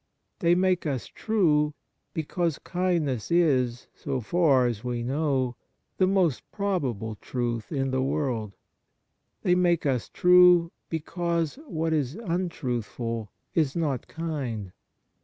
They make us true, because kindness is, so far as we know, the most probable truth in the world. They make us true, because what is un truthful is not kind.